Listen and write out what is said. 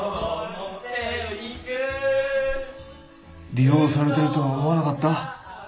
利用されてるとは思わなかった？